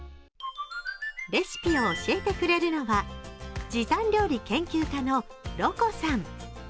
レシピを教えてくれるのは時短料理研究家のろこさん。